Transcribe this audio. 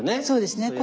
そうですね。